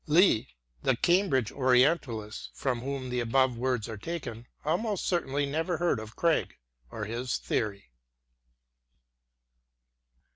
Lee, the Cambridge Orientalist, from whom the above words are taken, almost certainly never heard of Craig or his theory.